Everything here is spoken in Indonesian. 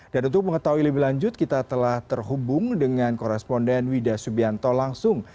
dan untuk mengetahui lebih lanjut kita telah terhubung dengan koresponden wida subianto langsung